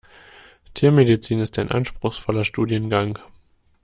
Tiermedizin ist ein anspruchsvoller Studiengang.